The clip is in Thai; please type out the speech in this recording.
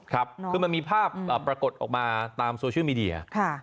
คือมันมีภาพปรากฏออกมาตามโซเชียลมีเดีย